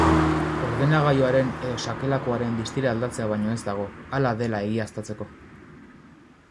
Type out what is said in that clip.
Ordenagailuaren edo sakelakoaren distira aldatzea baino ez dago hala dela egiaztatzeko.